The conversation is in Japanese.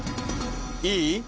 いい？